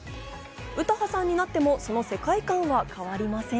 詩羽さんになってもその世界観は変わりません。